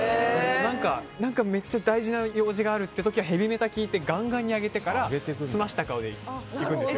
何か、めっちゃ大事な用事がある時はヘビメタを聴いてガンガンに上げてから澄ました顔で行くんですよ。